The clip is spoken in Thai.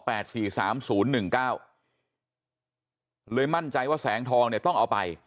สามศูนย์หนึ่งเก้าเลยมั่นใจว่าแสงทองเนี่ยต้องเอาไป